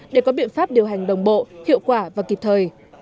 để có biện pháp điều hành đồng bộ hiệu quả và kịp thời